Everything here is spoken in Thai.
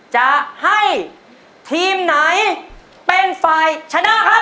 จะให้ทีมไหนเป็นฝ่ายชนะครับ